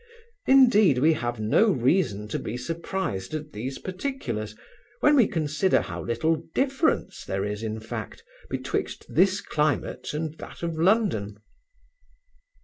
Indeed, we have no reason to be surprised at these particulars, when we consider how little difference there is, in fact, betwixt this climate and that of London.